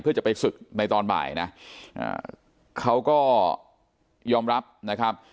เพื่อจะไปศึกในตอนบ่ายนะเขาก็ยอมรับนะครับ